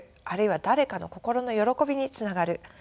あるいは誰かの心の歓びにつながる。